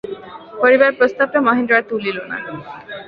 পড়িবার প্রস্তাবটা মহেন্দ্র আর তুলিল না।